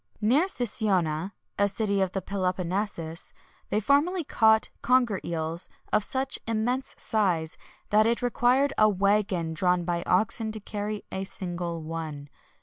Near Sicyona, a city of the Peloponnesus,[XXI 113] they formerly caught conger eels of such immense size, that it required a waggon drawn by oxen to carry a single one.